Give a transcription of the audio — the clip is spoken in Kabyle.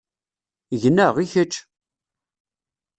Gneɣ, i kečč?